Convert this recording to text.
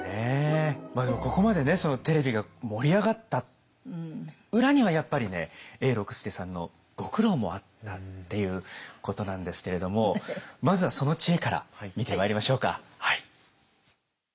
でもここまでねそのテレビが盛り上がった裏にはやっぱりね永六輔さんのご苦労もあったっていうことなんですけれどもまずはその知恵から見てまいりましょうか。